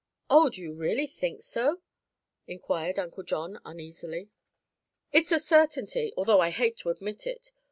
"Oh; do you really think so?" inquired Uncle John uneasily. "It's a certainty, although I hate to admit it.